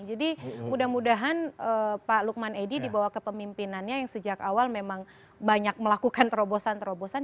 jadi mudah mudahan pak luqman edy dibawa ke pemimpinannya yang sejak awal memang banyak melakukan terobosan terobosan